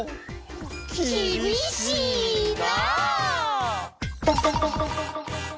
きびしいな！